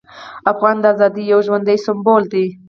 افغان د ازادۍ یو ژوندی سمبول دی.